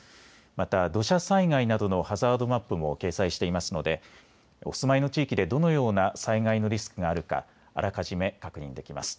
また土砂災害などのハザードマップも掲載していますのでお住まいの地域でどのような災害のリスクがあるかあらかじめ確認できます。